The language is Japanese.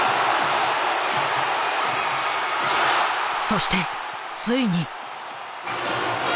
そしてついに。